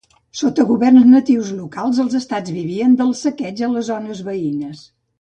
Sota governs natius locals els estats vivien del saqueig a les zones veïnes.